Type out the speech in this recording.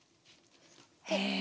へえ！